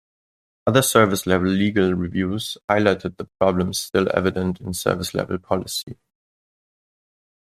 Other service-level legal reviews highlighted the problems still evident in service-level policy.